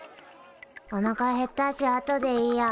おなかへったしあとでいいや。